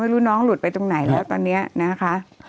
รู้น้องหลุดไปตรงไหนแล้วตอนนี้นะคะ